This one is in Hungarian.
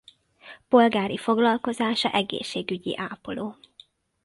Polgári foglalkozása egészségügyi ápoló.